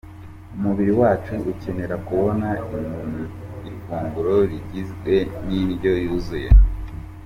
Umubiri wacu ukenera kubona ifunguro rigizwe n’indyo yuzuye.